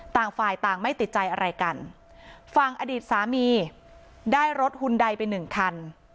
ต่างฝ่ายต่างไม่ติดใจอะไรกันฝั่งอดีตสามีได้รถหุ่นใดไปหนึ่งคัน